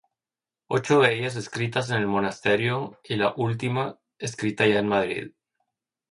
Ocho de ellas escritas en el monasterio, y la última, escrita ya en Madrid.